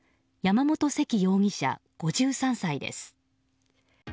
山本セキ容疑者、５３歳です。